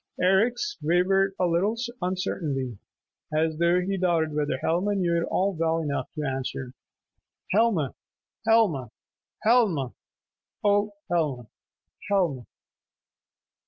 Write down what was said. Eric's wavered a little uncertainly, as though he doubted whether Helma knew it well enough to answer. "Helma, Helma, Helma! Ohh Helma! Helmaa a!"